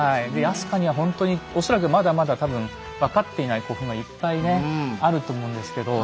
飛鳥にはほんとに恐らくまだまだ多分分かっていない古墳がいっぱいねあると思うんですけど。